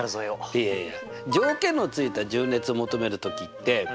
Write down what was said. いやいや。